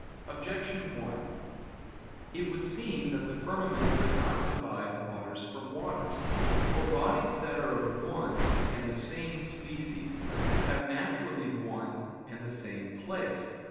Objection 1: It would seem that the firmament does not divide waters from waters. For bodies that are of one and the same species have naturally one and the same place.